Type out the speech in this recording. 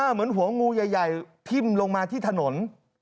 เหมือนหัวงูใหญ่ทิ่มลงมาที่ถนน